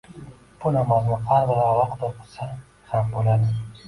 Bu namozni har biri alohida o‘qisa ham bo‘ladi.